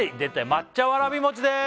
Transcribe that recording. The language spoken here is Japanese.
抹茶わらび餅です！